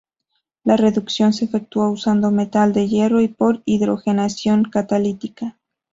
La reducción se efectúa usando metal de hierro y por hidrogenación catalítica.